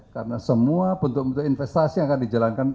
karena semua bentuk bentuk investasi yang akan dijalankan